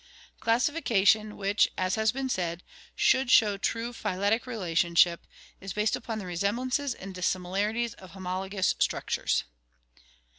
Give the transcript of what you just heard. Classification, which, as has been said, should show true phyletic relationship, is based upon the resemblances and dissimilarities of homologous structures.